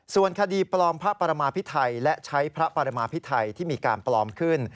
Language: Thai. ส่วนคดีปลอมพระปรมาพิไทยและใช้พระปรมาพิไทยที่มีการปลอมขึ้น